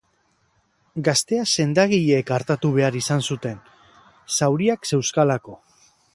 Gaztea sendagileek artatu behar izan zuten, zauriak zeuzkalako.